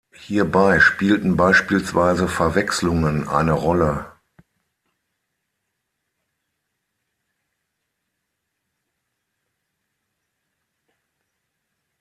Hierbei spielten beispielsweise Verwechslungen eine Rolle.